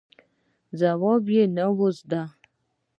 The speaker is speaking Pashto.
ځواب یې نه و زده.